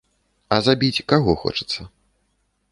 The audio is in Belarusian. А забіць каго хочацца?